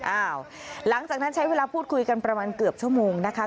หลังจากนั้นใช้เวลาพูดคุยกันประมาณเกือบชั่วโมงนะคะ